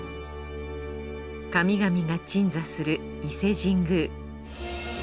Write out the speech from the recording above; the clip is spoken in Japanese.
神々が鎮座する伊勢神宮。